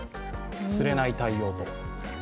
つれない対応。